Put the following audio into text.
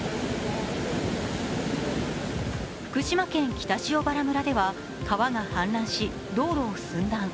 福島県北塩原村では川が氾濫し道路を寸断。